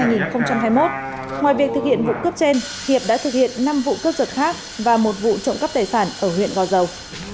ngoài việc thực hiện vụ cướp trên hiệp đã thực hiện năm vụ cướp giật khác và một vụ trộm cắp tài sản ở huyện gò dầu